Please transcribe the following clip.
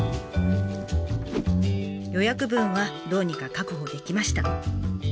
予約分はどうにか確保できました。